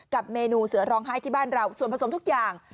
กับเมนูเสือร้องไห้ที่บ้านเราส่วนผสมทุกอย่าง